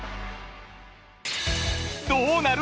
どうなる？